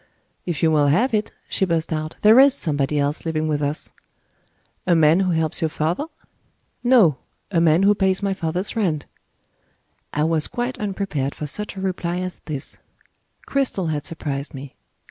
"If you will have it," she burst out, "there is somebody else living with us." "A man who helps your father?" "No. A man who pays my father's rent." I was quite unprepared for such a reply as this: Cristel had surprised me.